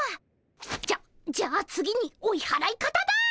じゃじゃあ次に追いはらい方だ。